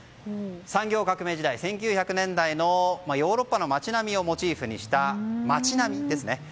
産業革命時代、１９００年代のヨーロッパの街並みをモチーフにした街並みですね。